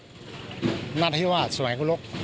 โดยผู้ต้องหากลุ่มนี้เขาแบ่งหน้าที่กันนะคะ